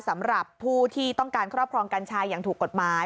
สำหรับผู้ที่ต้องการครอบครองกัญชาอย่างถูกกฎหมาย